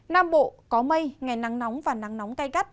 nam bộ có mây ngày nắng nóng và nắng nóng cay gắt